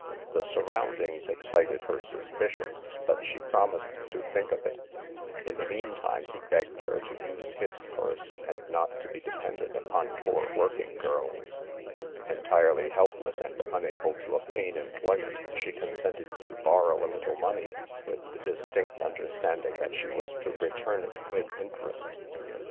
The surroundings excited her suspicions, but she promised to think of it. In the meantime, he begged her to use his purse, and not to be dependent upon poor working girls. Entirely helpless and unable to obtain employment, she con sented to borrow a little money, with the dis tinct understanding that she was to return it with interest.